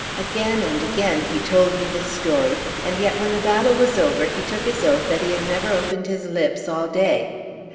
Again and again he told me this story, and yet when the battle was over he took his oath that he had never opened his lips all day.